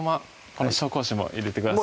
この紹興酒も入れてください